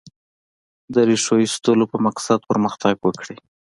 د ریښو ایستلو په مقصد پرمختګ وکړي.